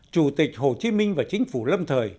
chủ tịch hồ chí minh và chính phủ lâm thời